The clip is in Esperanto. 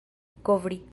kovri